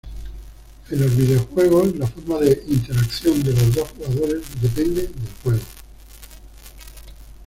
En los videojuegos, la forma de interacción de los dos jugadores depende del juego.